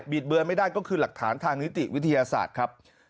ดเบือนไม่ได้ก็คือหลักฐานทางนิติวิทยาศาสตร์ครับ